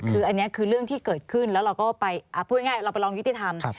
คืออันนี้คือเรื่องที่เกิดขึ้นแล้วเราก็ไปพูดง่ายเราไปลองยุติธรรม